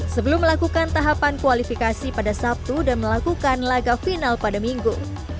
sebelum melakukan tahapan kualifikasi pada sabtu dan melakukan laga final pada minggu